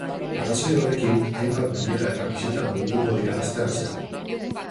Arrazoi horrekin, hainbat bilera eta bisita burutuko dira astean zehar.